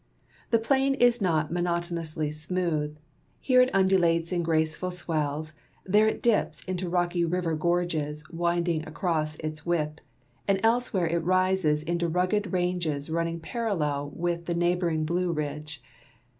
The plain is not monotonously smooth ; here it undulates in graceful swells, there it dips into rocky river gorges winding across its width, and elsewhere it rises into rugged ranges running j^arallel with the neighboring Blue Ridge.